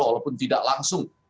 walaupun tidak langsung